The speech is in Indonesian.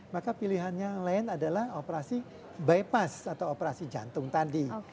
maka pilihan yang lain adalah operasi bypass atau operasi jantung tadi